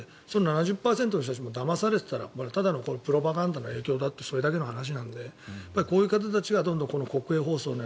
その７０％の人たちもだまされていたらただのプロパガンダの影響だってそれだけの話なのでこういう方たちがどんどん国営放送